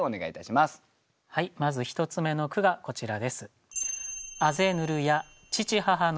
まず１つ目の句がこちらです。